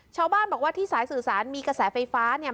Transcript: ชาวบ้านบอกว่าที่สายสื่อสารมีกระแสไฟฟ้าเนี่ย